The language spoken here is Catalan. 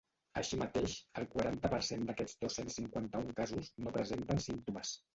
Així mateix, el quaranta per cent d’aquests dos-cents cinquanta-un casos no presenten símptomes.